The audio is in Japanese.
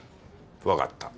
分かった。